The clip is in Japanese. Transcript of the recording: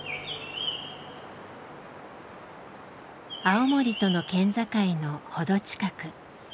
青森との県境の程近く。